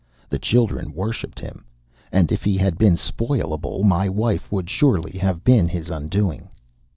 The children worshipped him; and if he had been spoilable, my wife would surely have been his undoing.